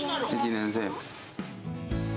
１年生。